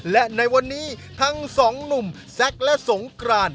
และในวันนี้ทั้งสองหนุ่มแซ็กและสงกราน